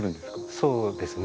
そうですね。